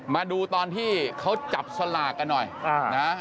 มาดูตอนที่เขาจับสลากกันหน่อยนะ